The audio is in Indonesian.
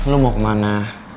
lo mau kemana